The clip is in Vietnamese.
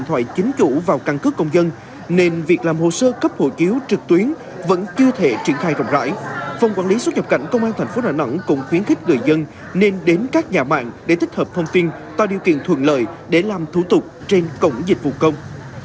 trước tình trạng số lượng người dân đến làm hộ chiếu mẫu mới quá đông phòng quản lý xuất nhập cảnh công an tp đà nẵng đã thực hiện phân luồng và đẩy mạnh hướng dẫn người dân làm thủ tục cấp hộ chiếu trực tuyến qua cổng dịch vụ công